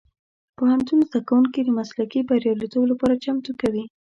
پوهنتون زدهکوونکي د مسلکي بریالیتوب لپاره چمتو کوي.